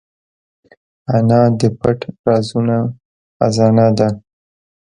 انا د پټ رازونو خزانه ده